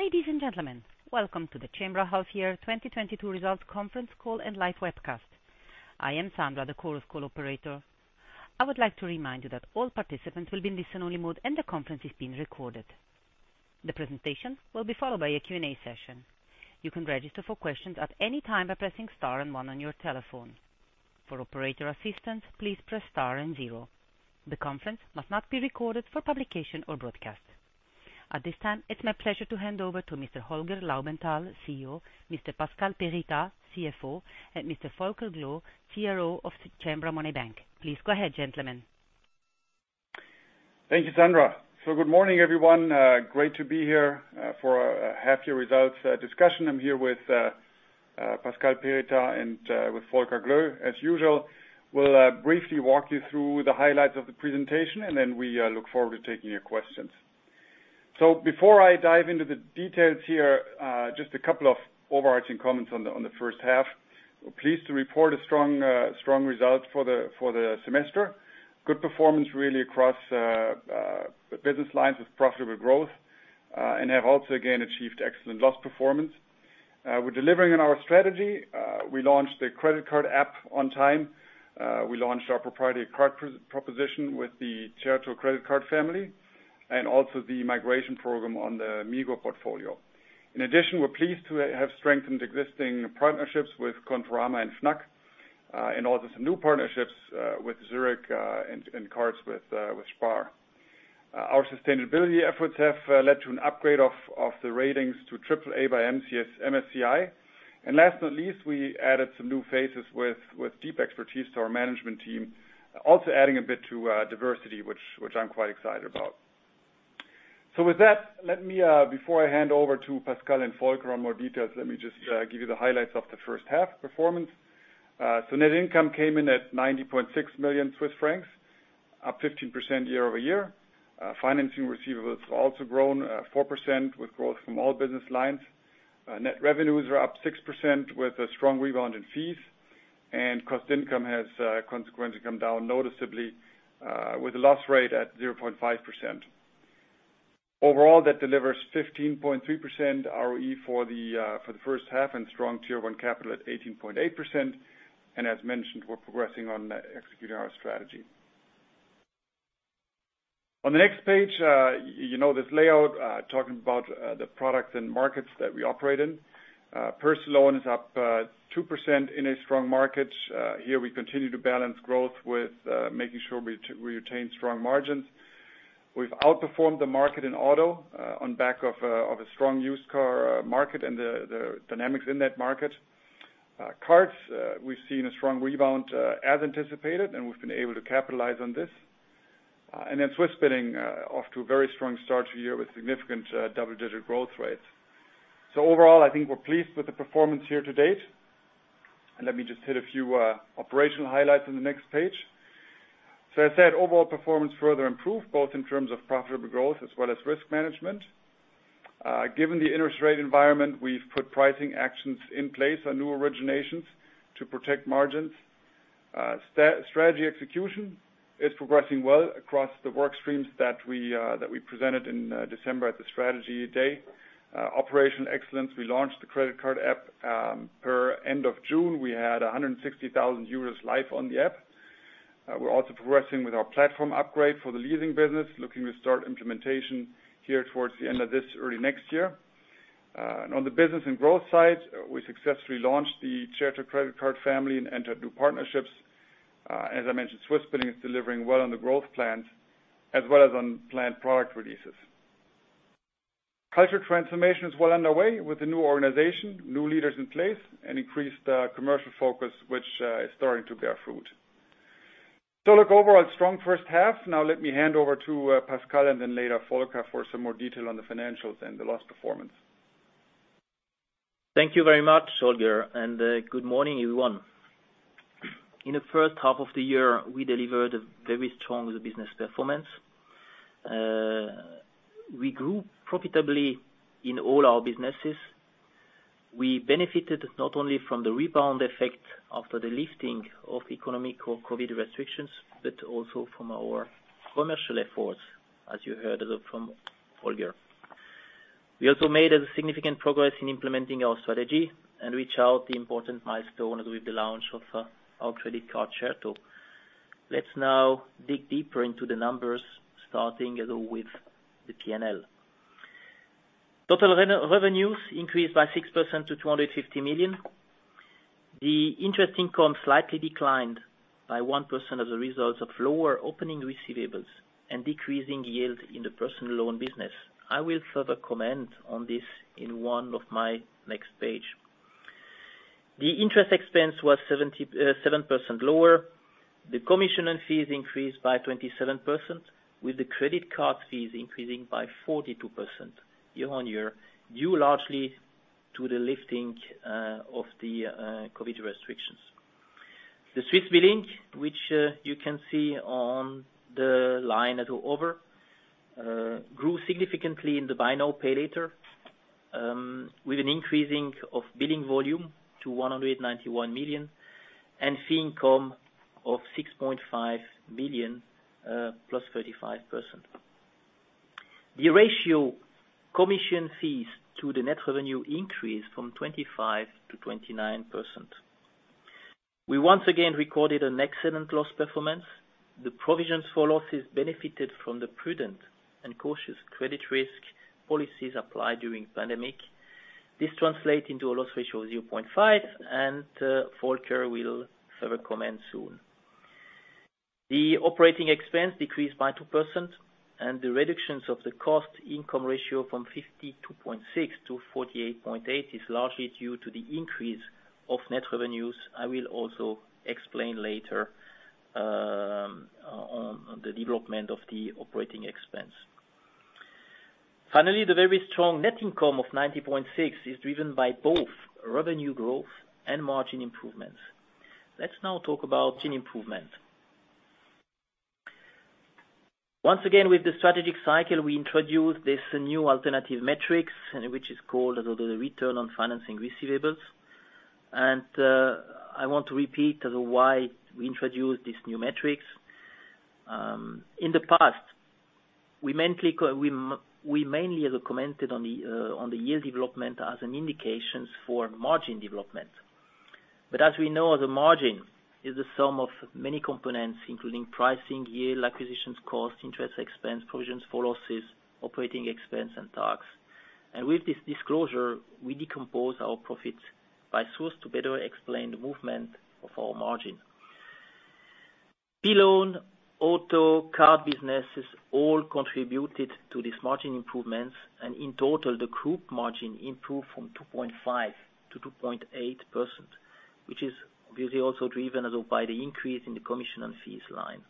Ladies and gentlemen, welcome to the Cembra Half Year 2022 Results Conference Call and Live Webcast. I am Sandra, the Chorus Call operator. I would like to remind you that all participants will be in listen only mode, and the conference is being recorded. The presentation will be followed by a Q&A session. You can register for questions at any time by pressing star and one on your telephone. For operator assistance, please press star and zero. The conference must not be recorded for publication or broadcast. At this time, it's my pleasure to hand over to Mr. Holger Laubenthal, CEO, Mr. Pascal Perritaz, CFO, and Mr. Volker Gloe, CRO of Cembra Money Bank. Please go ahead, gentlemen. Thank you, Sandra. Good morning, everyone. Great to be here for our half year results discussion. I'm here with Pascal Perritaz and Volker Gloe. As usual, we'll briefly walk you through the highlights of the presentation, and then we look forward to taking your questions. Before I dive into the details here, just a couple of overarching comments on the first half. We're pleased to report a strong result for the semester. Good performance really across business lines with profitable growth, and have also again achieved excellent loss performance. We're delivering on our strategy. We launched the credit card app on time. We launched our proprietary card proposition with the Certo! credit card family and also the migration program on the Migros portfolio. In addition, we're pleased to have strengthened existing partnerships with Conforama and Fnac, and also some new partnerships, with Zurich, and cards with Spar. Our sustainability efforts have led to an upgrade of the ratings to triple A by MSCI. Last but not least, we added some new faces with deep expertise to our management team, also adding a bit to diversity, which I'm quite excited about. With that, let me, before I hand over to Pascal and Volker on more details, let me just give you the highlights of the first half performance. So net income came in at 90.6 million Swiss francs, up 15% year-over-year. Financing receivables also grown 4% with growth from all business lines. Net revenues are up 6% with a strong rebound in fees. Cost-Income Ratio has consequently come down noticeably with a loss rate at 0.5%. Overall, that delivers 15.3% ROE for the first half and strong Tier 1 capital at 18.8%. We're progressing on executing our strategy. On the next page, you know this layout, talking about the products and markets that we operate in. Personal loan is up 2% in a strong market. Here we continue to balance growth with making sure we retain strong margins. We've outperformed the market in auto on the back of a strong used car market and the dynamics in that market. Cards, we've seen a strong rebound, as anticipated, and we've been able to capitalize on this. Swissbilling, off to a very strong start to the year with significant double-digit growth rates. Overall, I think we're pleased with the performance here to date. Let me just hit a few operational highlights on the next page. As said, overall performance further improved, both in terms of profitable growth as well as risk management. Given the interest rate environment, we've put pricing actions in place on new originations to protect margins. Strategy execution is progressing well across the work streams that we presented in December at the strategy day. Operational excellence, we launched the credit card app. Per end of June, we had 160,000 users live on the app. We're also progressing with our platform upgrade for the leasing business, looking to start implementation here towards the end of this year, early next year. On the business and growth side, we successfully launched the Certo credit card family and entered new partnerships. As I mentioned, Swissbilling is delivering well on the growth plans as well as on planned product releases. Culture transformation is well underway with the new organization, new leaders in place, and increased commercial focus, which is starting to bear fruit. Look, overall strong first half. Now let me hand over to Pascal and then later Volker for some more detail on the financials and the loss performance. Thank you very much, Holger, and good morning, everyone. In the first half of the year, we delivered a very strong business performance. We grew profitably in all our businesses. We benefited not only from the rebound effect after the lifting of economic or COVID restrictions, but also from our commercial efforts, as you heard from Holger. We also made a significant progress in implementing our strategy and reached out the important milestone with the launch of our credit card Certo. Let's now dig deeper into the numbers, starting with the P&L. Total revenues increased by 6% to 250 million. The interest income slightly declined by 1% as a result of lower opening receivables and decreasing yield in the personal loan business. I will further comment on this in one of my next page. The interest expense was 77% lower. The commission and fees increased by 27%, with the credit card fees increasing by 42% year-on-year, due largely to the lifting of the COVID restrictions. The Swissbilling, which you can see on the line, grew significantly in the buy now, pay later, with an increase of billing volume to 191 million, and fee income of 6.5 million, +35%. The ratio commission fees to the net revenue increased from 25% to 29%. We once again recorded an excellent loss performance. The provisions for losses benefited from the prudent and cautious credit risk policies applied during pandemic. This translates into a loss ratio of 0.5, and Volker will further comment soon. The operating expense decreased by 2% and the reduction of the Cost-Income Ratio from 52.6% to 48.8% is largely due to the increase of net revenues. I will also explain later on the development of the operating expense. Finally, the very strong net income of 90.6 is driven by both revenue growth and margin improvements. Let's now talk about margin improvement. Once again, with the strategic cycle, we introduced this new alternative metric, which is called the return on financing receivables. I want to repeat why we introduced this new metric. In the past, we mainly have commented on the yield development as an indication for margin development. As we know, the margin is the sum of many components, including pricing, yield, acquisitions cost, interest expense, provisions for losses, operating expense, and tax. With this disclosure, we decompose our profits by source to better explain the movement of our margin. P-loan, auto, card businesses all contributed to this margin improvements, and in total, the group margin improved from 2.5% to 2.8%, which is usually also driven by the increase in the commission and fees line.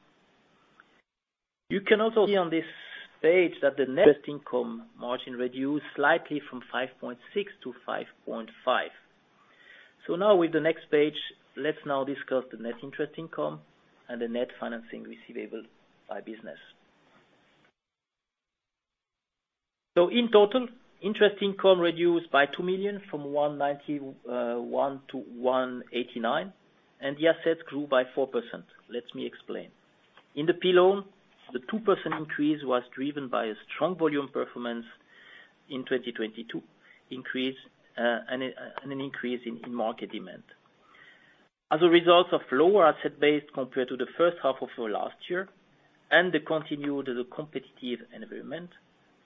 You can also see on this page that the net interest income margin reduced slightly from 5.6% to 5.5%. Now with the next page, let's now discuss the net interest income and the net financing receivable by business. In total, interest income reduced by 2 million from 190.1 to 189, and the assets grew by 4%. Let me explain. In the P-loan, the 2% increase was driven by a strong volume performance in 2022 and an increase in market demand. As a result of lower asset base compared to the first half of last year and the continued competitive environment,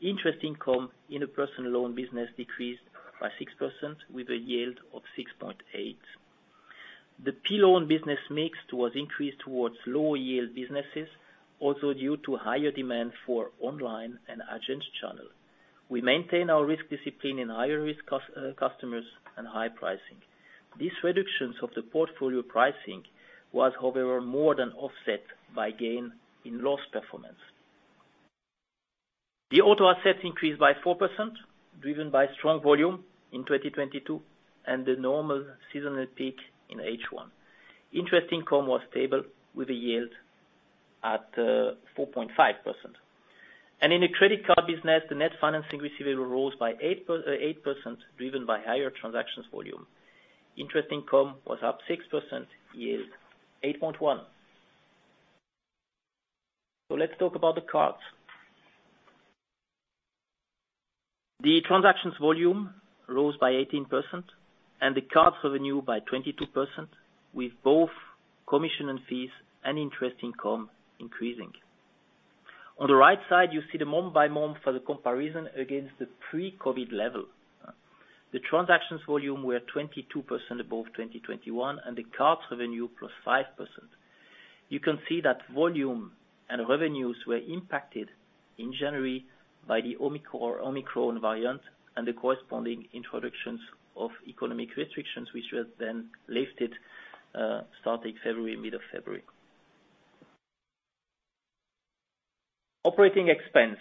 interest income in a personal loan business decreased by 6% with a yield of 6.8%. The P-loan business mix was increased towards lower yield businesses, also due to higher demand for online and agent channel. We maintain our risk discipline in higher risk customers and high pricing. These reductions of the portfolio pricing was, however, more than offset by gain in loss performance. The auto assets increased by 4%, driven by strong volume in 2022 and the normal seasonal peak in H1. Interest income was stable with a yield at 4.5%. In the credit card business, the net financing receivable rose by eight percent, driven by higher transactions volume. Interest income was up 6%, yield 8.1. Let's talk about the cards. The transactions volume rose by 18%, and the cards revenue by 22%, with both commission and fees and interest income increasing. On the right side, you see the month-by-month for the comparison against the pre-COVID level. The transactions volume were 22% above 2021, and the cards revenue plus 5%. You can see that volume and revenues were impacted in January by the Omicron variant and the corresponding introductions of economic restrictions, which were then lifted starting mid-February. Operating expense.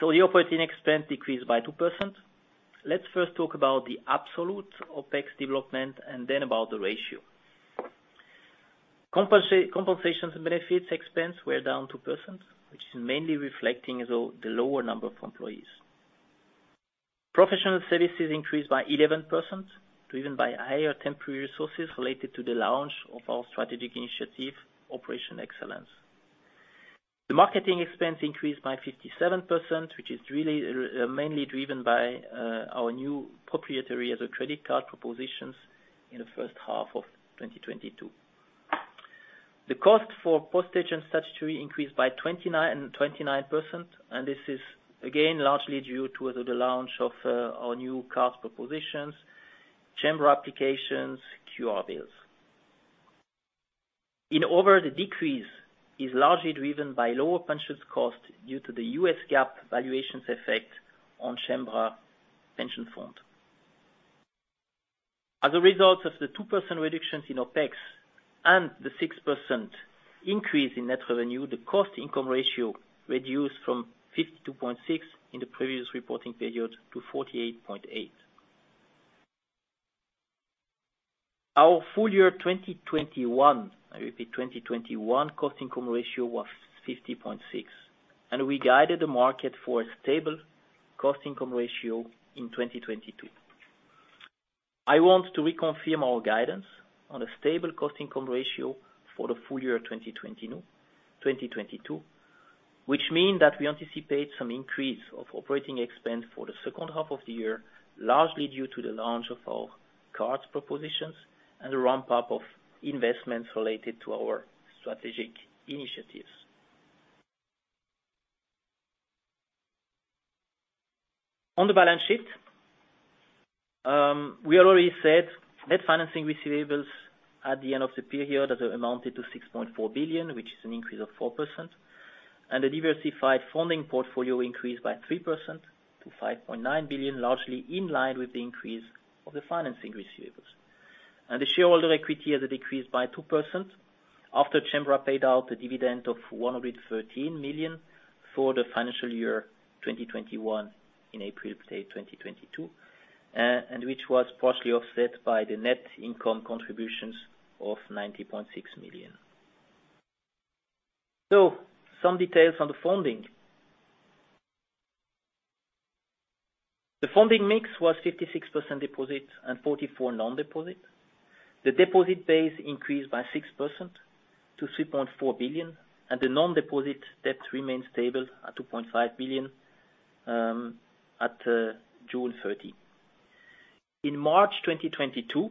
The operating expense decreased by 2%. Let's first talk about the absolute OpEx development and then about the ratio. Compensations and benefits expense were down 2%, which is mainly reflecting the lower number of employees. Professional services increased by 11%, driven by higher temporary resources related to the launch of our strategic initiative, Operation Excellence. The marketing expense increased by 57%, which is really mainly driven by our new proprietary credit card propositions in the first half of 2022. The cost for postage and stationery increased by 29%, and this is again largely due to the launch of our new card propositions, Cembra applications, QR bills. In other, the decrease is largely driven by lower pension costs due to the U.S. GAAP valuation effects on Cembra Pension Fund. As a result of the 2% reductions in OpEx and the 6% increase in net revenue, the cost-income ratio reduced from 52.6 in the previous reporting period to 48.8. Our full year 2021, I repeat, 2021 cost-income ratio was 50.6, and we guided the market for a stable cost-income ratio in 2022. I want to reconfirm our guidance on a stable cost-income ratio for the full year 2022, which mean that we anticipate some increase of operating expense for the second half of the year, largely due to the launch of our cards propositions and the ramp up of investments related to our strategic initiatives. On the balance sheet, we already said net financing receivables at the end of the period that amounted to 6.4 billion, which is an increase of 4%. The diversified funding portfolio increased by 3% to 5.9 billion, largely in line with the increase of the financing receivables. The shareholder equity has decreased by 2% after Cembra paid out a dividend of 113 million for the financial year 2021 in April 2022, and which was partially offset by the net income contributions of 90.6 million. Some details on the funding. The funding mix was 56% deposit and 44% non-deposit. The deposit base increased by 6% to 3.4 billion, and the non-deposit debt remains stable at 2.5 billion at June 30. In March 2022,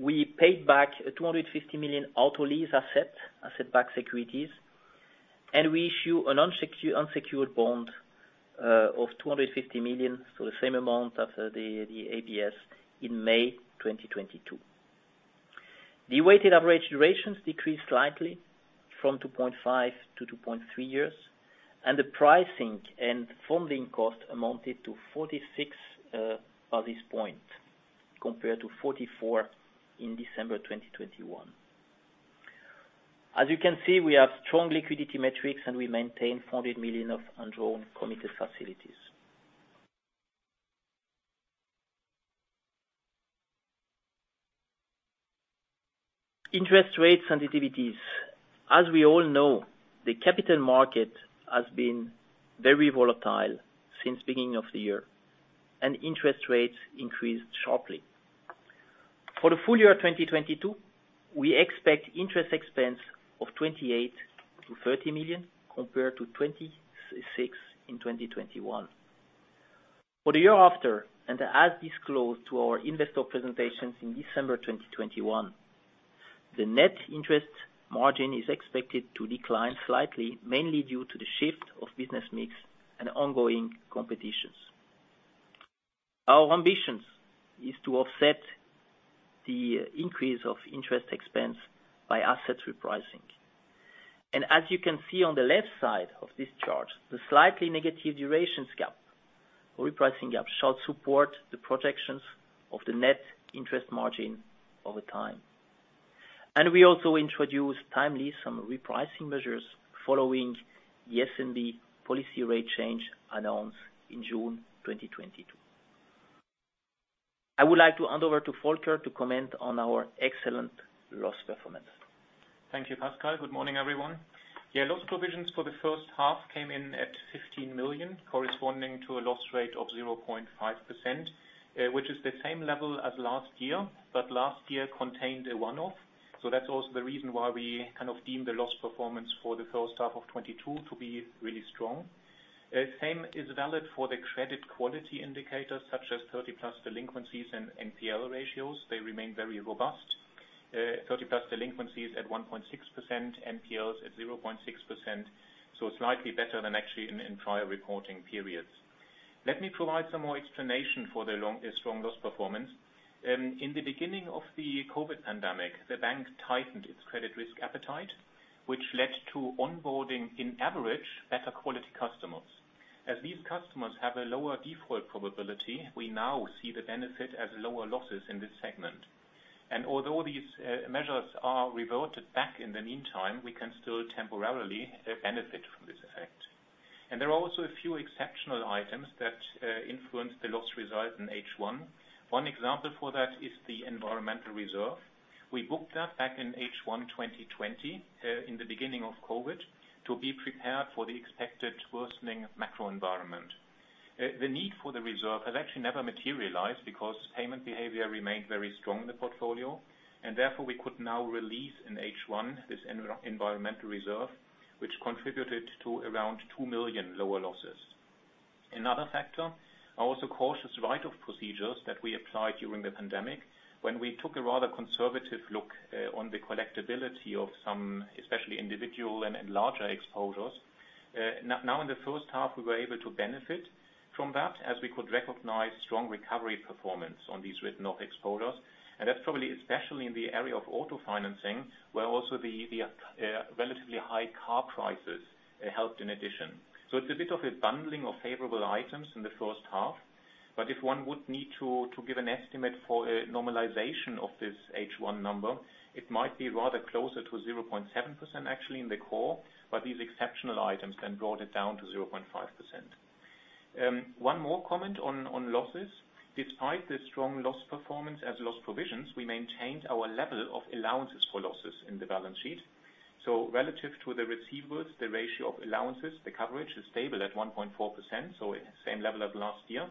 we paid back a 250 million auto lease asset-backed securities, and we issue an unsecured bond of 250 million, so the same amount as the ABS in May 2022. The weighted average durations decreased slightly from 2.5 to 2.3 years, and the pricing and funding cost amounted to 46 basis points compared to 44 in December 2021. As you can see, we have strong liquidity metrics, and we maintain 400 million of undrawn committed facilities. Interest rate sensitivities. As we all know, the capital market has been very volatile since beginning of the year, and interest rates increased sharply. For the full year 2022, we expect interest expense of 28 to 30 million, compared to 26 million in 2021. For the year after, and as disclosed in our investor presentations in December 2021, the net interest margin is expected to decline slightly, mainly due to the shift of business mix and ongoing competition. Our ambition is to offset the increase of interest expense by asset repricing. As you can see on the left side of this chart, the slightly negative duration gap, repricing gap shall support the projections of the net interest margin over time. We also introduce timely some repricing measures following the SNB policy rate change announced in June 2022. I would like to hand over to Volker Gloe to comment on our excellent loss performance. Thank you, Pascal. Good morning, everyone. Yeah, loss provisions for the first half came in at 15 million, corresponding to a loss rate of 0.5%, which is the same level as last year. Last year contained a one-off, so that's also the reason why we kind of deemed the loss performance for the first half of 2022 to be really strong. Same is valid for the credit quality indicators, such as 30+ delinquencies and NPL ratios. They remain very robust. 30+ delinquencies at 1.6%, NPLs at 0.6%, so slightly better than actually in prior reporting periods. Let me provide some more explanation for the strong loss performance. In the beginning of the COVID pandemic, the bank tightened its credit risk appetite, which led to onboarding, on average, better quality customers. As these customers have a lower default probability, we now see the benefit as lower losses in this segment. Although these measures are reverted back in the meantime, we can still temporarily benefit from this effect. There are also a few exceptional items that influence the loss result in H1. One example for that is the environmental reserve. We booked that back in H1 2020, in the beginning of COVID, to be prepared for the expected worsening macro environment. The need for the reserve has actually never materialized because payment behavior remained very strong in the portfolio. Therefore, we could now release in H1 this environmental reserve, which contributed to around 2 million lower losses. Another factor are also cautious write-off procedures that we applied during the pandemic when we took a rather conservative look on the collectibility of some, especially individual and larger exposures. Now, in the first half, we were able to benefit from that as we could recognize strong recovery performance on these written-off exposures. That's probably especially in the area of auto financing, where also the relatively high car prices helped in addition. It's a bit of a bundling of favorable items in the first half, but if one would need to give an estimate for a normalization of this H1 number, it might be rather closer to 0.7% actually in the core. These exceptional items then brought it down to 0.5%. One more comment on losses. Despite the strong loss performance as loss provisions, we maintained our level of allowances for losses in the balance sheet. Relative to the receivables, the ratio of allowances, the coverage is stable at 1.4%, so it's the same level of last year.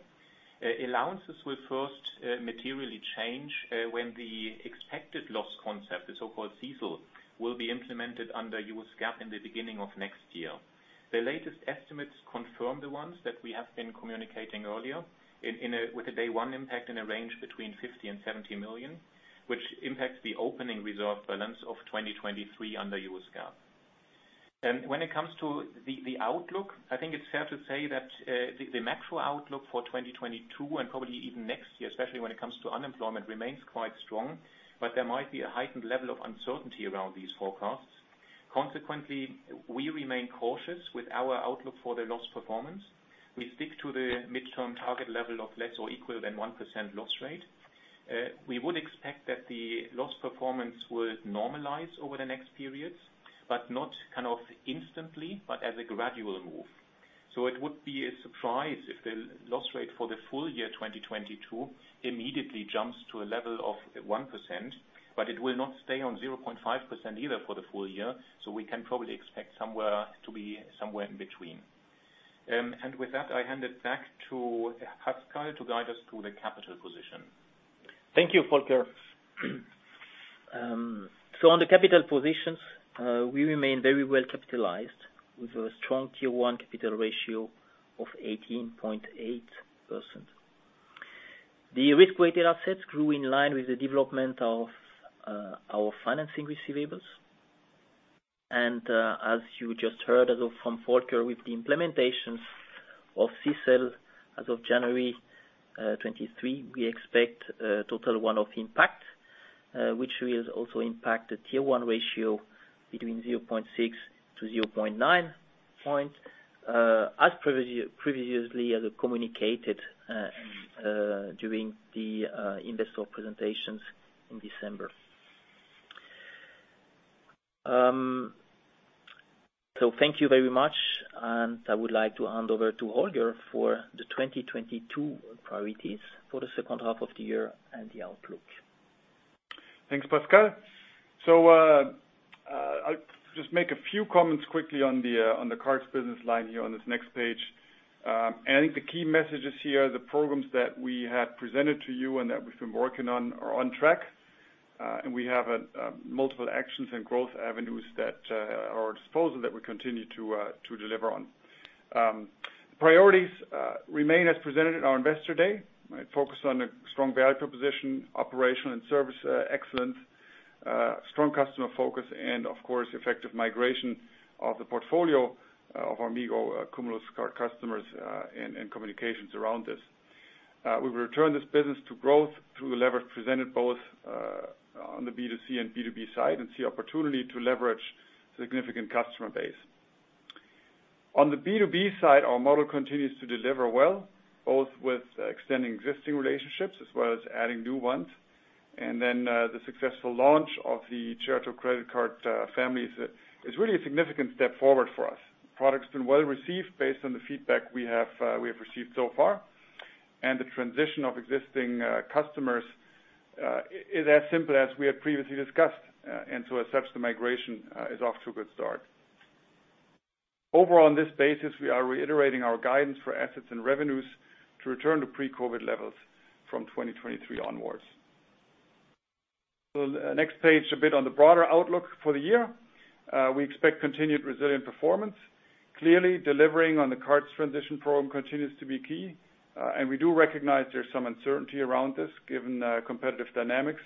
Allowances will first materially change when the expected loss concept, the so-called CECL, will be implemented under U.S. GAAP in the beginning of next year. The latest estimates confirm the ones that we have been communicating earlier with a day one impact in a range between 50 and 70 million, which impacts the opening reserve balance of 2023 under U.S. GAAP. When it comes to the outlook, I think it's fair to say that the macro outlook for 2022 and probably even next year, especially when it comes to unemployment, remains quite strong, but there might be a heightened level of uncertainty around these forecasts. Consequently, we remain cautious with our outlook for the loss performance. We stick to the midterm target level of less or equal than 1% loss rate. We would expect that the loss performance will normalize over the next periods, but not kind of instantly, but as a gradual move. It would be a surprise if the loss rate for the full year 2022 immediately jumps to a level of 1%, but it will not stay on 0.5% either for the full year, so we can probably expect somewhere in between. With that, I hand it back to Pascal to guide us through the capital position. Thank you, Volker. On the capital positions, we remain very well capitalized with a strong Tier 1 capital ratio of 18.8%. The risk-weighted assets grew in line with the development of our financing receivables. As you just heard from Volker, with the implementation of CECL as of January 2023, we expect a total one-off impact, which will also impact the Tier 1 ratio between 0.6 to 0.9 points, as previously communicated during the investor presentations in December. Thank you very much, and I would like to hand over to Holger for the 2022 priorities for the second half of the year and the outlook. Thanks, Pascal. I'll just make a few comments quickly on the cards business line here on this next page. I think the key messages here are the programs that we had presented to you and that we've been working on are on track. We have multiple actions and growth avenues that are at our disposal that we continue to deliver on. Priorities remain as presented at our investor day. I focus on the strong value proposition, operational and service excellence, strong customer focus, and of course, effective migration of the portfolio of Migros Cumulus-Mastercard card customers, and communications around this. We will return this business to growth through the leverage presented both on the B2C and B2B side and see opportunity to leverage significant customer base. On the B2B side, our model continues to deliver well, both with extending existing relationships as well as adding new ones. The successful launch of the Certo! credit card families is really a significant step forward for us. The product's been well-received based on the feedback we have received so far. The transition of existing customers is as simple as we have previously discussed, and so as such, the migration is off to a good start. Overall, on this basis, we are reiterating our guidance for assets and revenues to return to pre-COVID levels from 2023 onwards. Next page, a bit on the broader outlook for the year. We expect continued resilient performance. Clearly, delivering on the cards transition program continues to be key, and we do recognize there's some uncertainty around this given the competitive dynamics,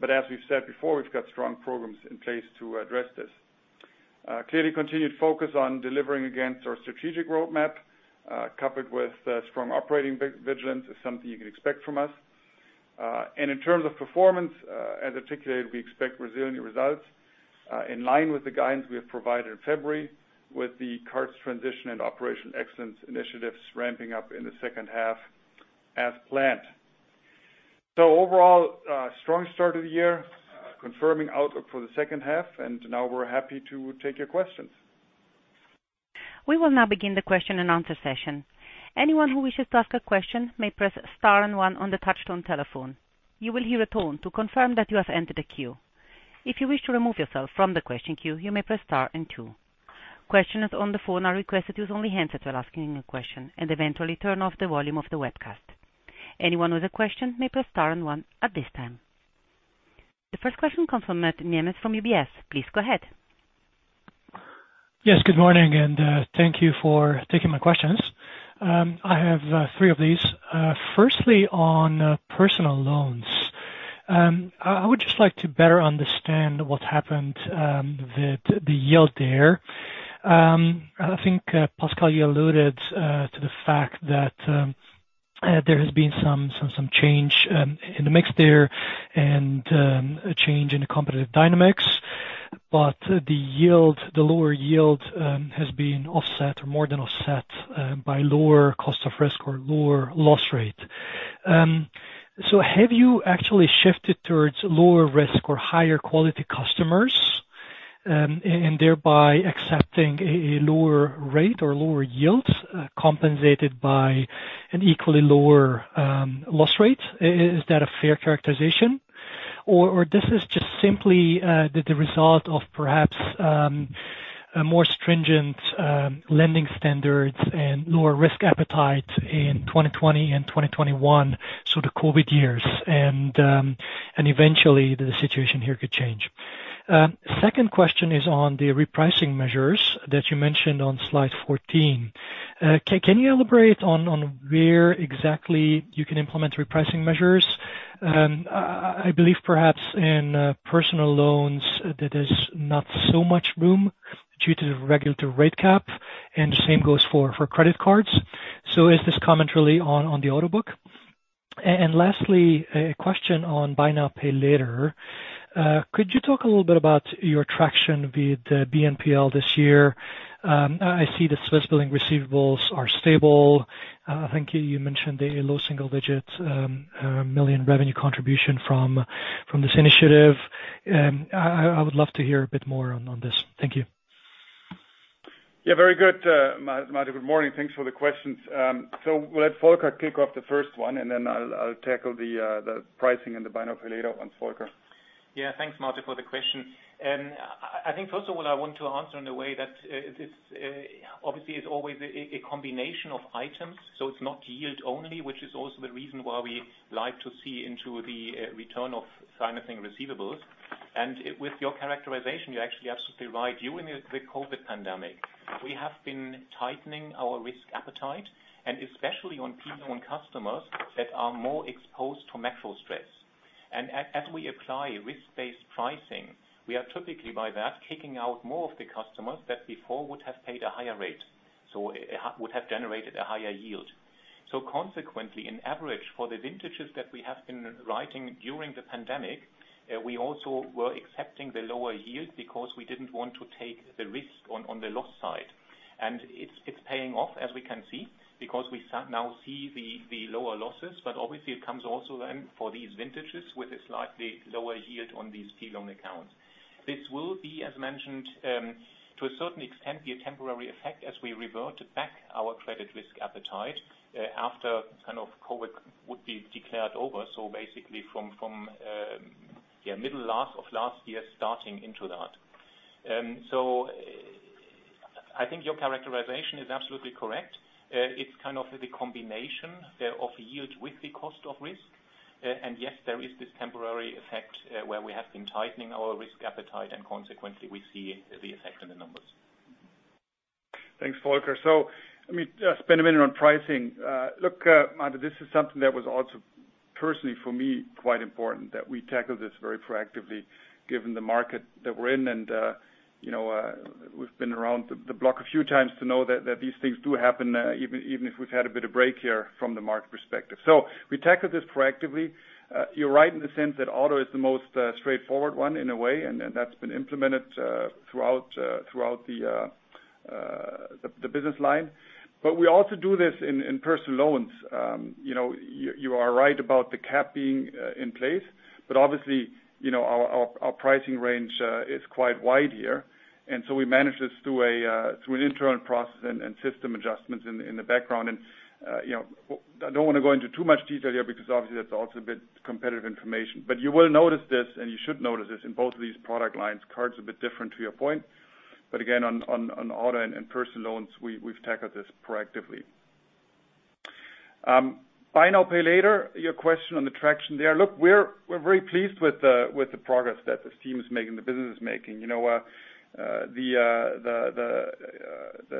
but as we've said before, we've got strong programs in place to address this. Clearly continued focus on delivering against our strategic roadmap, coupled with, strong operating vigilance is something you can expect from us. In terms of performance, as articulated, we expect resilient results, in line with the guidance we have provided in February with the cards transition and operational excellence initiatives ramping up in the second half as planned. Overall, a strong start of the year, confirming outlook for the second half, and now we're happy to take your questions. We will now begin the question and answer session. Anyone who wishes to ask a question may press star and one on the touch-tone telephone. You will hear a tone to confirm that you have entered the queue. If you wish to remove yourself from the question queue, you may press star and two. Questions on the phone are requested to use only handset that are asking a question and to turn off the volume of the webcast. Anyone with a question may press star and one at this time. The first question comes from Máté Nemes from UBS. Please go ahead. Yes, good morning, and thank you for taking my questions. I have three of these. Firstly, on personal loans, I would just like to better understand what happened, the yield there. I think, Pascal, you alluded to the fact that there has been some change in the mix there and a change in the competitive dynamics. The yield, the lower yield, has been offset or more than offset by lower cost of risk or lower loss rate. Have you actually shifted towards lower risk or higher quality customers? And thereby accepting a lower rate or lower yields, compensated by an equally lower loss rate. Is that a fair characterization? This is just simply the result of perhaps a more stringent lending standards and lower risk appetite in 2020 and 2021, so the COVID years, and eventually the situation here could change. Second question is on the repricing measures that you mentioned on slide 14. Can you elaborate on where exactly you can implement repricing measures? I believe perhaps in personal loans that there's not so much room due to the regulatory rate cap, and the same goes for credit cards. Is this comment really on the order book? Lastly, a question on buy now, pay later. Could you talk a little bit about your traction with the BNPL this year? I see the Swissbilling receivables are stable. I think you mentioned a low single-digit million CHF revenue contribution from this initiative. I would love to hear a bit more on this. Thank you. Yeah. Very good, Máté. Good morning. Thanks for the questions. We'll let Volker kick off the first one, and then I'll tackle the pricing and the buy now, pay later on Volker. Yeah. Thanks Máté, for the question. I think first of all I want to answer in a way that it's obviously always a combination of items, so it's not yield only, which is also the reason why we like to see the return on financing receivables. With your characterization, you're actually absolutely right. During the COVID pandemic, we have been tightening our risk appetite, and especially on people and customers that are more exposed to macro stress. As we apply risk-based pricing, we are typically by that kicking out more of the customers that before would have paid a higher rate. It would have generated a higher yield. Consequently, on average for the vintages that we have been writing during the pandemic, we also were accepting the lower yield because we didn't want to take the risk on the loss side. It's paying off as we can see, because we see the lower losses. Obviously it comes also then for these vintages with a slightly lower yield on these personal loan accounts. This will be, as mentioned, to a certain extent, be a temporary effect as we revert back our credit risk appetite, after kind of COVID would be declared over, so basically from mid to late last year starting into that. I think your characterization is absolutely correct. It's kind of the combination of yield with the cost of risk. Yes, there is this temporary effect, where we have been tightening our risk appetite and consequently we see the effect in the numbers. Thanks, Volker. Let me spend a minute on pricing. Look, Martin, this is something that was also personally for me, quite important that we tackle this very proactively given the market that we're in. You know, we've been around the block a few times to know that these things do happen, even if we've had a bit of break here from the market perspective. We tackle this proactively. You're right in the sense that auto is the most straightforward one in a way, and that's been implemented throughout the business line. We also do this in personal loans. You know, you are right about the cap being in place. Obviously, you know, our pricing range is quite wide here. We manage this through an internal process and system adjustments in the background. You know, I don't wanna go into too much detail here because obviously that's also a bit competitive information. You will notice this, and you should notice this in both of these product lines, card's a bit different to your point. Again, on auto and personal loans, we've tackled this proactively. Buy now, pay later, your question on the traction there. Look, we're very pleased with the progress that the team is making, the business is making. You know, the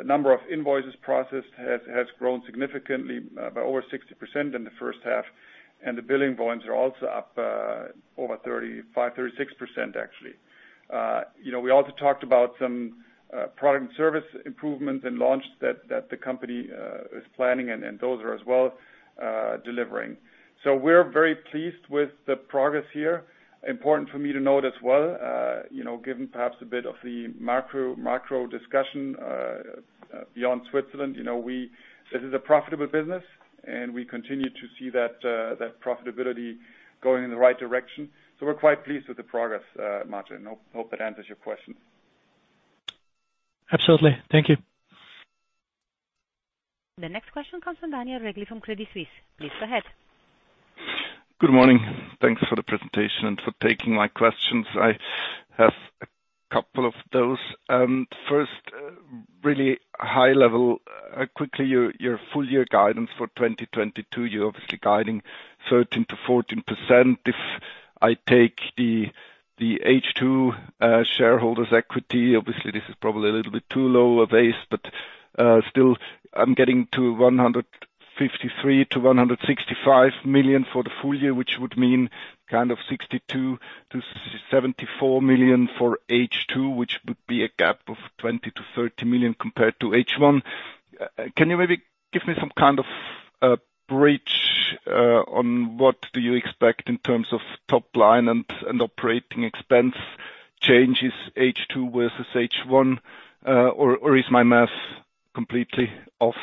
number of invoices processed has grown significantly by over 60% in the first half, and the billing volumes are also up over 35% to 36% actually. You know, we also talked about some product and service improvements and launch that the company is planning and those are as well delivering. We're very pleased with the progress here. Important for me to note as well, you know, given perhaps a bit of the macro discussion beyond Switzerland, you know, this is a profitable business and we continue to see that profitability going in the right direction. We're quite pleased with the progress, Martin. Hope that answers your question. Absolutely. Thank you. The next question comes from Daniel Regli from Credit Suisse. Please go ahead. Good morning. Thanks for the presentation and for taking my questions. I have a couple of those. First, really high level, quickly, your full year guidance for 2022, you're obviously guiding 13% to 14%. If I take the H2 shareholders equity, obviously this is probably a little bit too low a base, but still I'm getting to 153 to 165 million for the full year, which would mean kind of 62 to 74 million for H2, which would be a gap of 20 to 30 million compared to H1. Can you maybe give me some kind of a bridge on what do you expect in terms of top line and operating expense changes H2 versus H1? Is my math completely off?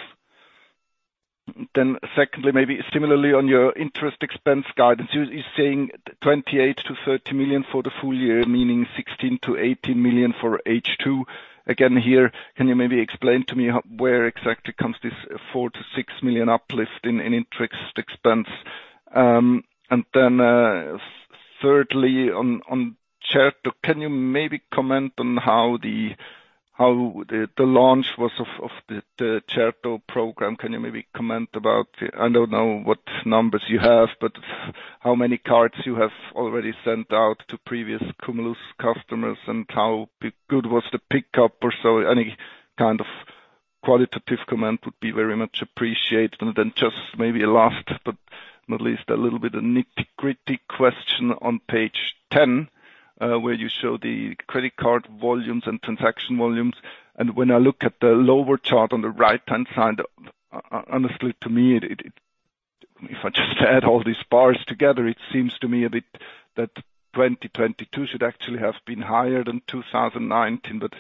Secondly, maybe similarly on your interest expense guidance, you're saying 28 to 30 million for the full year, meaning 16 to 18 million for H2. Again here, can you maybe explain to me where exactly comes this 4 to 6 million uplift in interest expense? And then, thirdly, on Certo!. Can you maybe comment on how the launch was of the Certo! program? Can you maybe comment about, I don't know what numbers you have, but how many cards you have already sent out to previous Cumulus-Mastercard customers, and how good was the pickup or so any kind of qualitative comment would be very much appreciated. Just maybe last, but not least, a little bit of a nitpicky question on page 10, where you show the credit card volumes and transaction volumes. When I look at the lower chart on the right-hand side, honestly to me, if I just add all these bars together, it seems to me a bit that 2022 should actually have been higher than 2019, but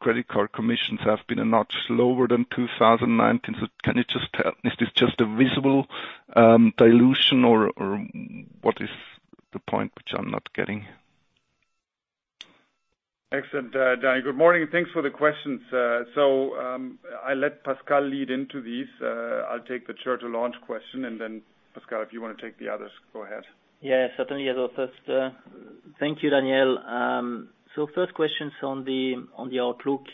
credit card commissions have been much lower than 2019. Can you just tell, is this just a visible dilution or what is the point which I'm not getting? Excellent. Daniel, good morning, and thanks for the questions. I let Pascal lead into these. I'll take the Certo! launch question, and then Pascal, if you wanna take the others, go ahead. Yeah, certainly. Thank you, Daniel. First questions on the outlook.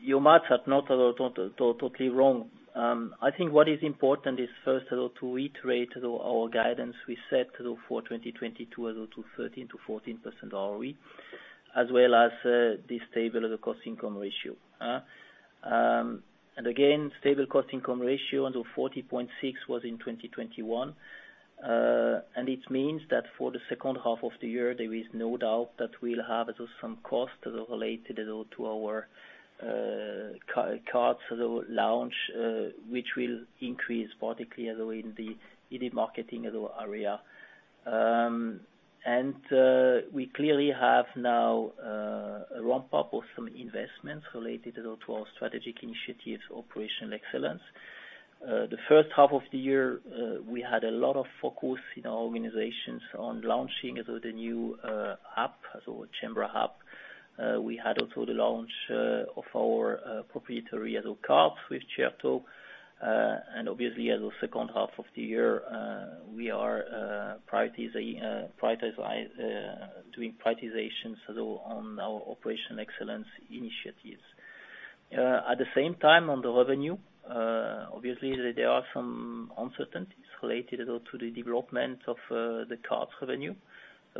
Your math are not at all totally wrong. I think what is important is first of all to reiterate our guidance we set for 2022 as to 13% to 14% ROE, as well as the stable Cost-Income Ratio. Again, stable Cost-Income Ratio of 40.6 was in 2021. It means that for the second half of the year, there is no doubt that we'll have at least some costs related to our cards or the launch, which will increase particularly in the marketing area. We clearly have now a ramp-up of some investments related to our strategic initiatives, operational excellence. The first half of the year, we had a lot of focus in our organizations on launching as with the new app, so Cembra App. We had also the launch of our proprietary card with Certo!, and obviously in the second half of the year, we are doing prioritizations on our operational excellence initiatives. At the same time on the revenue, obviously, there are some uncertainties related at all to the development of the card's revenue.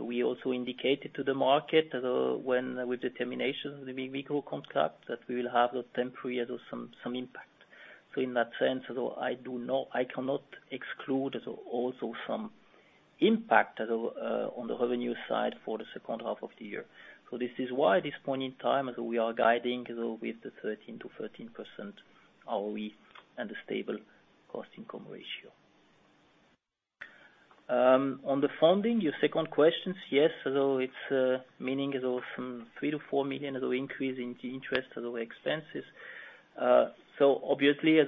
We also indicated to the market with the termination of the Vivigo contract that we will have a temporary some impact. In that sense, I cannot exclude also some impact on the revenue side for the second half of the year. This is why at this point in time, we are guiding with the 13% to 13% ROE and the stable cost-income ratio. On the funding, your second question, yes, it means from 3 to 4 million increase in the interest expenses. Obviously,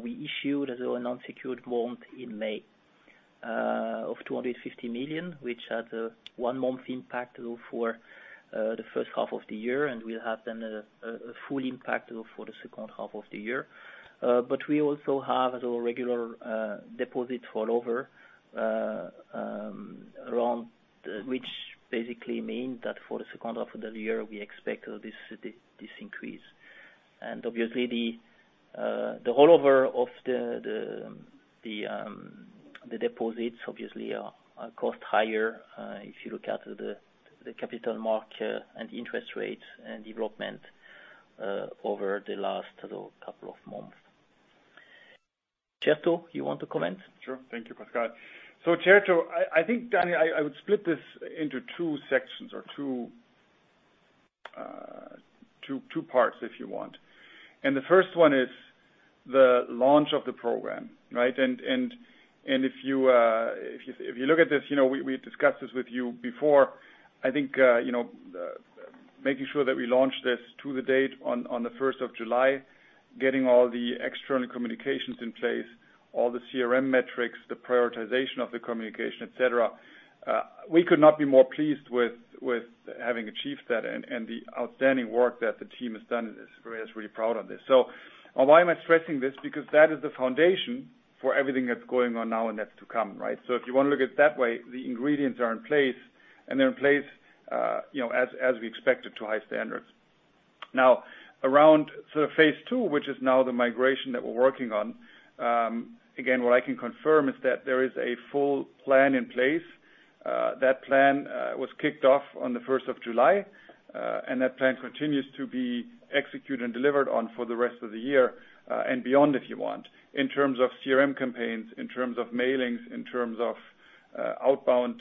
we issued an unsecured amount in May of 250 million, which has a one-month impact for the first half of the year, and we'll have then a full impact for the second half of the year. But we also have a regular deposit inflow, which basically means that for the second half of the year, we expect this increase. Obviously the rollover of the deposits obviously are costing higher if you look at the capital market and interest rate and development over the last couple of months. Certo!, you want to comment? Sure. Thank you, Pascal. Certo!, I think, Daniel, I would split this into two sections or two parts, if you want. The first one is the launch of the program, right? If you look at this, you know we discussed this with you before. I think you know making sure that we launch this to the date on the first of July, getting all the external communications in place, all the CRM metrics, the prioritization of the communication, et cetera. We could not be more pleased with having achieved that and the outstanding work that the team has done. Maria is really proud of this. Why am I stressing this? Because that is the foundation for everything that's going on now and that's to come, right? If you wanna look at it that way, the ingredients are in place, and they're in place, you know, as we expected, to high standards. Now, around sort of phase two, which is now the migration that we're working on, again, what I can confirm is that there is a full plan in place. That plan was kicked off on the first of July, and that plan continues to be executed and delivered on for the rest of the year, and beyond, if you want. In terms of CRM campaigns, in terms of mailings, in terms of outbound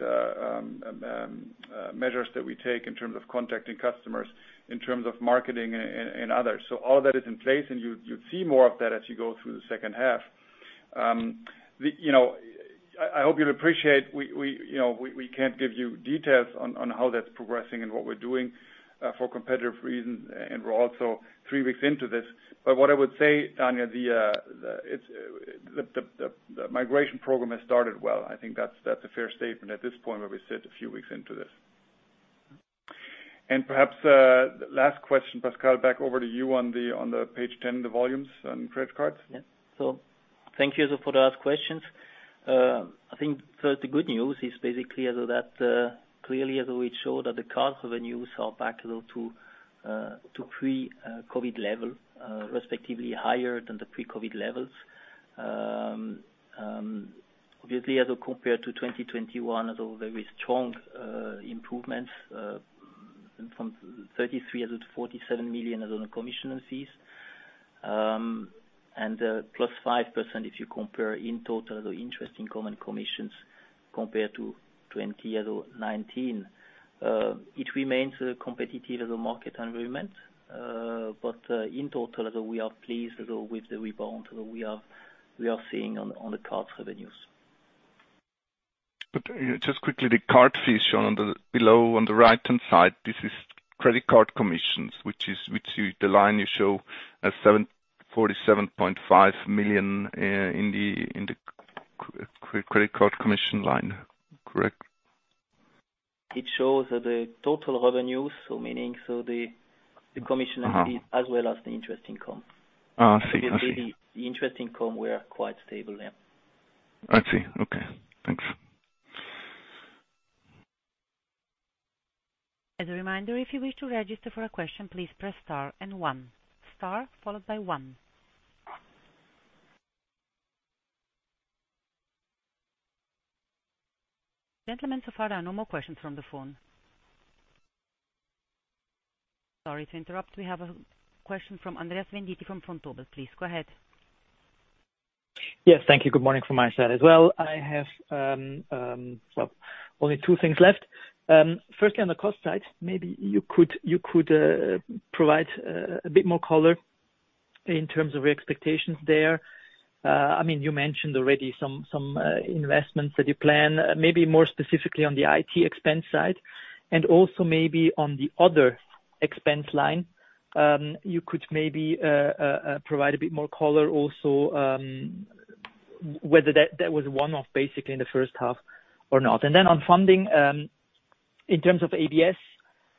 measures that we take, in terms of contacting customers, in terms of marketing and others. All that is in place, and you'd see more of that as you go through the second half. I hope you'll appreciate, you know, we can't give you details on how that's progressing and what we're doing for competitive reasons, and we're also three weeks into this. What I would say, Daniel, the migration program has started well. I think that's a fair statement at this point where we sit a few weeks into this. Perhaps, last question, Pascal, back over to you on the page 10, the volumes and credit cards. Thank you for asking questions. I think the good news is basically that clearly as we show that the card revenues are back to pre-COVID level, respectively higher than the pre-COVID levels. Obviously, as compared to 2021, although very strong improvements from CHF 3,347 million in other commissions and fees, and +5% if you compare in total the interest income and commissions compared to 2020 to 2019. It remains competitive in a market environment. In total, we are pleased with the rebound we are seeing in the cards revenues. You know, just quickly, the card fees shown on the slide below on the right-hand side, this is credit card commissions, the line you show as 47.5 million in the credit card commission line. Correct? It shows the total revenues, meaning the commission and fees as well as the interest income. I see. I see. The interest income, we are quite stable, yeah. I see. Okay, thanks. As a reminder, if you wish to register for a question, please press star and one. Star followed by one. Gentlemen, so far there are no more questions from the phone. Sorry to interrupt. We have a question from Andreas Venditti from Vontobel. Please go ahead. Yes, thank you. Good morning from my side as well. I have, well, only two things left. Firstly, on the cost side, maybe you could provide a bit more color in terms of your expectations there. I mean, you mentioned already some investments that you plan, maybe more specifically on the IT expense side, and also maybe on the other expense line, you could maybe provide a bit more color also, whether that was one-off basically in the first half or not. On funding, in terms of ABS,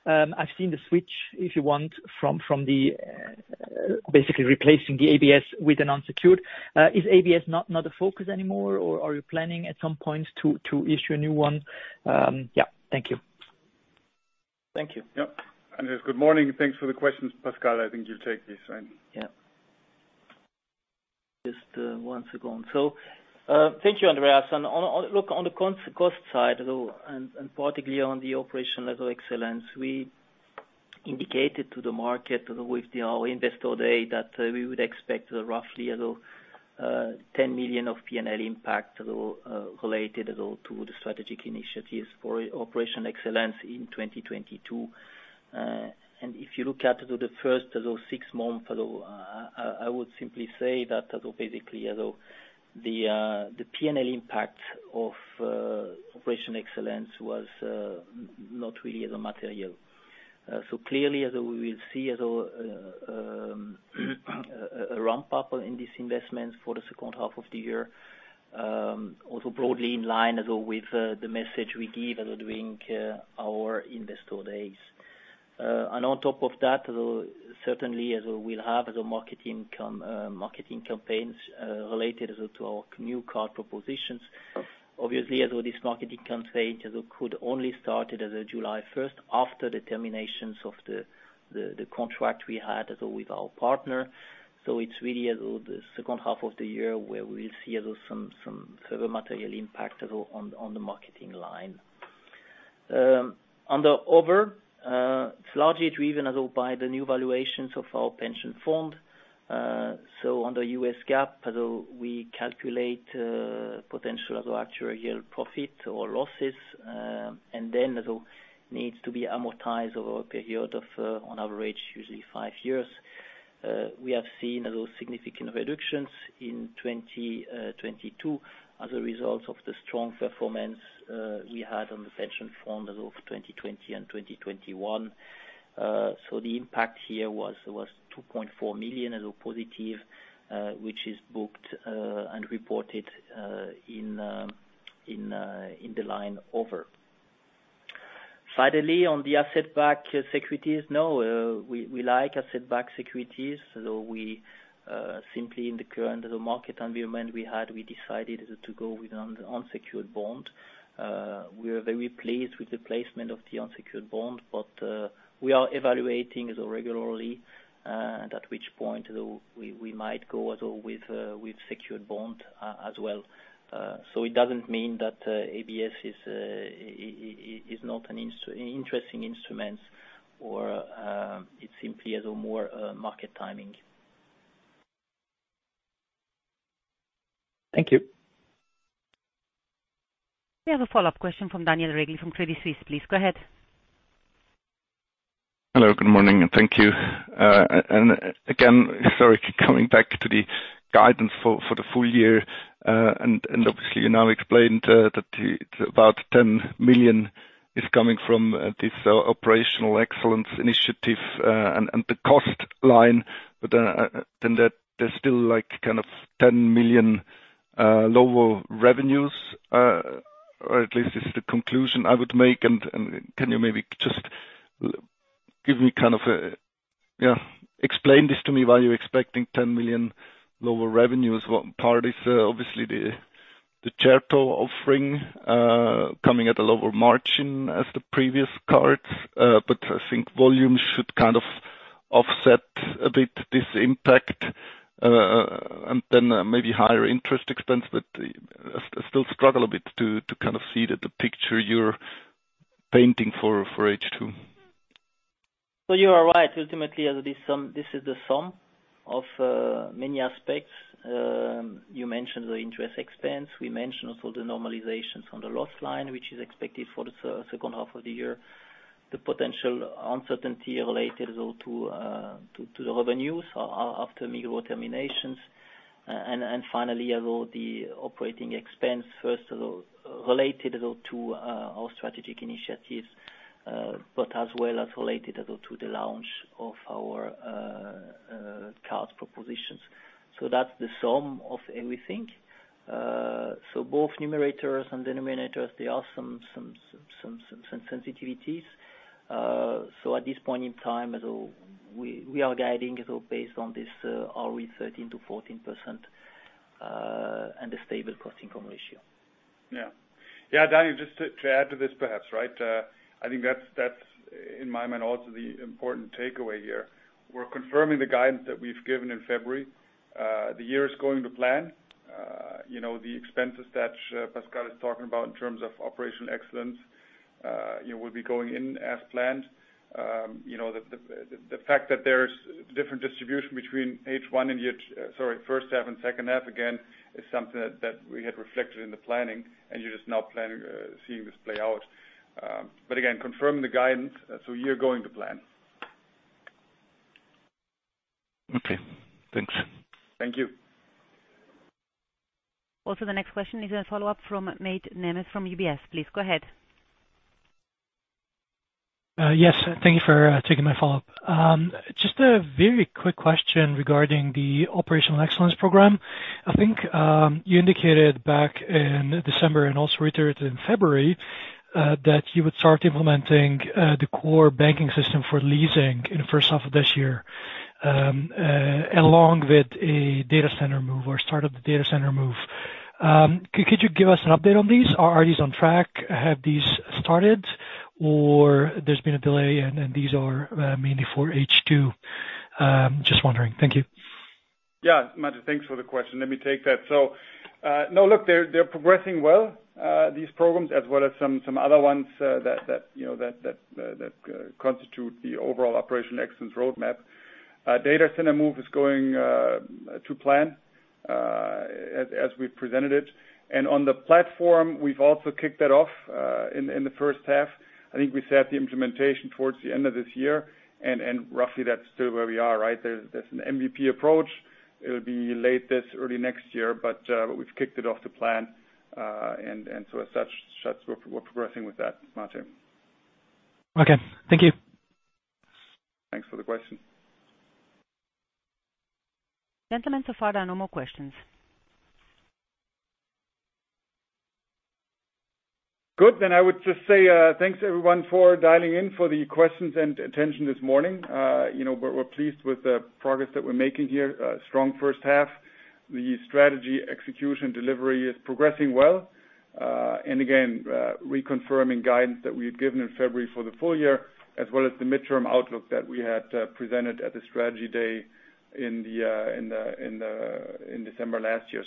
I've seen the switch, if you want, from basically replacing the ABS with an unsecured. Is ABS not a focus anymore, or are you planning at some point to issue a new one? Yeah. Thank you. Thank you. Yeah. Andreas, good morning. Thanks for the questions. Pascal, I think you'll take this, right? Yeah. Just one second. Thank you, Andreas. Look, on the cost side, though, and particularly on the operational excellence, we indicated to the market with our Investor Day that we would expect roughly 10 million of P&L impact related to the strategic initiatives for operational excellence in 2022. If you look at the first of those six months, I would simply say that basically, you know, the P&L impact of operational excellence was not really material. Clearly, as we will see a ramp-up in this investment for the second half of the year, also broadly in line as well with the message we give during our Investor Days. On top of that, certainly as we'll have the marketing income, marketing campaigns related to our new card propositions. Obviously, as with this marketing campaign, could only start it as of July 1 after the termination of the contract we had with our partner. It's really in the second half of the year where we'll see some further material impact on the marketing line. On the other hand, it's largely driven as well by the new valuations of our pension fund. Under U.S. GAAP, we calculate the pension's actuarial profit or losses, and then as well needs to be amortized over a period of, on average, usually five years. We have seen those significant reductions in 2022 as a result of the strong performance we had on the pension fund as of 2020 and 2021. The impact here was 2.4 million as a positive, which is booked and reported in the line over. Finally, on the asset-backed securities, we like asset-backed securities, so simply in the current market environment we decided to go with an unsecured bond. We are very pleased with the placement of the unsecured bond, but we are evaluating as regularly, and at which point we might go as well with secured bond as well. It doesn't mean that ABS is not an interesting instrument or it's simply a matter of market timing. Thank you. We have a follow-up question from Daniel Regli from Credit Suisse, please. Go ahead. Hello, good morning, and thank you. Again, sorry, coming back to the guidance for the full year, and obviously you now explained that it's about 10 million coming from this operational excellence initiative, and the cost line but then there's still like kind of 10 million lower revenues, or at least this is the conclusion I would make and can you maybe just give me kind of a... Yeah, explain this to me why you're expecting 10 million lower revenues. What part is obviously the Certo! offering coming at a lower margin as the previous cards, but I think volume should kind of offset a bit this impact, and then maybe higher interest expense, but I still struggle a bit to kind of see the picture you're painting for H2. You are right. Ultimately, this is the sum of many aspects. You mentioned the interest expense. We mentioned also the normalizations on the loss line, which is expected for the second half of the year. The potential uncertainty related though to the revenues after Migros terminations and finally, although the operating expense first, related though to our strategic initiatives, but as well as related though to the launch of our card propositions. That's the sum of everything. Both numerators and denominators, there are some sensitivities. At this point in time as well, we are guiding as well based on this, ROE 13% to 14%, and a stable Cost-Income Ratio. Yeah, Daniel, just to add to this perhaps, right? I think that's in my mind also the important takeaway here. We're confirming the guidance that we've given in February. The year is going to plan. You know, the expenses that Pascal is talking about in terms of operational excellence, you know, will be going in as planned. You know, the fact that there's different distribution between first half and second half again, is something that we had reflected in the planning and you're just now seeing this play out. Again, confirming the guidance, you're going to plan. Okay. Thanks. Thank you. Also, the next question is a follow-up from Máté Nemes from UBS. Please go ahead. Yes. Thank you for taking my follow-up. Just a very quick question regarding the operational excellence program. I think you indicated back in December and also reiterated in February that you would start implementing the core banking system for leasing in the first half of this year, along with a data center move or start of the data center move. Could you give us an update on these? Are these on track? Have these started or there's been a delay and these are mainly for H2? Just wondering. Thank you. Yeah. Máté, thanks for the question. Let me take that. No, look, they're progressing well, these programs as well as some other ones that you know that constitute the overall operational excellence roadmap. Data center move is going to plan, as we presented it. On the platform, we've also kicked that off in the first half. I think we set the implementation towards the end of this year and roughly that's still where we are, right? There's an MVP approach. It'll be late this year, early next year, but we've kicked it off to plan, and so as such we're progressing with that, Máté. Okay. Thank you. Thanks for the question. Gentlemen, so far there are no more questions. Good. I would just say, thanks everyone for dialing in for the questions and attention this morning. You know, we're pleased with the progress that we're making here. A strong first half. The strategy execution delivery is progressing well. And again, reconfirming guidance that we had given in February for the full year as well as the midterm outlook that we had presented at the strategy day in December last year.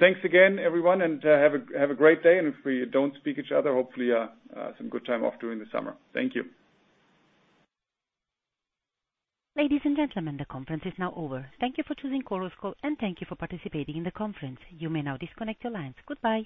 Thanks again everyone, and have a great day. If we don't speak to each other, hopefully some good time off during the summer. Thank you. Ladies and gentlemen, the conference is now over. Thank you for choosing Chorus Call, and thank you for participating in the conference. You may now disconnect your lines. Goodbye.